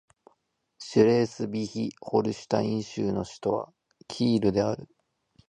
シュレースヴィヒ＝ホルシュタイン州の州都はキールである